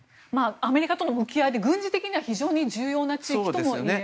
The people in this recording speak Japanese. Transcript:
アメリカとの向き合いで軍事的には非常に重要な地域とも言えますよね。